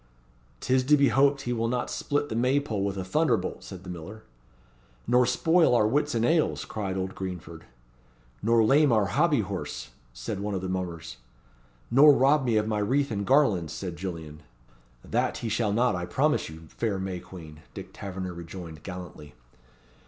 "'Tis to be hoped he will not split the May pole with a thunderbolt," said the miller. "Nor spoil our Whitsun ales," cried old Greenford. "Nor lame our Hobby horse," said one of the mummers. "Nor rob me of my wreath and garlands," said Gillian. "That he shall not, I promise you, fair May Queen!" Dick Tavernor rejoined, gallantly.